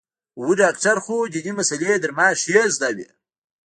و ډاکتر خو ديني مسالې يې تر ما ښې زده وې.